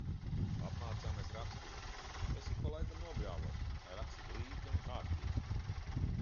Apmācāmais rakstīja, es ik pa laikam nobļāvos, lai raksta glīti un kārtīgi.